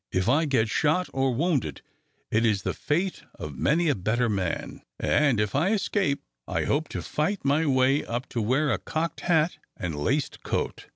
If I get shot or wounded, it is the fate of many a better man; and if I escape, I hope to fight my way up to wear a cocked hat and laced coat."